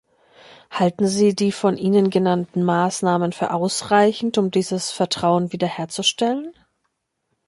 Halten Sie die von Ihnen genannten Maßnahmen für ausreichend, um dieses Vertrauen wiederherzustellen?